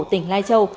tỉnh lai châu